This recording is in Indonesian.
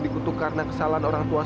seharusnya kamu bertanya pada orang tuamu